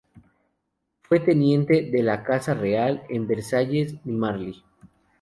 Fue teniente de la Caza Real en Versalles y Marly.